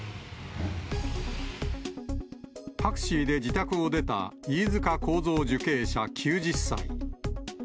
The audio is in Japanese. タクシーで自宅を出た飯塚幸三受刑者９０歳。